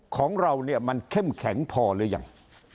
ของเราเนี่ยมันเข้มแข็งพอหรือยัง